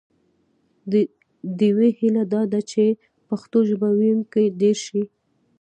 د ډیوې هیله دا ده چې پښتو ژبه ویونکي ډېر شي